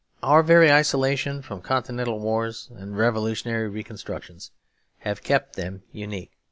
Our very isolation from continental wars and revolutionary reconstructions have kept them unique.